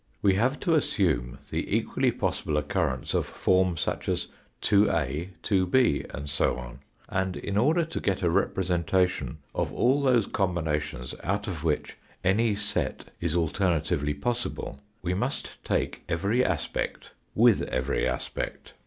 We have to assume the equally possible occur rence of form such as 2a, 2b, and so on ; and in order to get a representation of all those combinations out of which any set is alternatively possible, we must take every aspect with every aspect.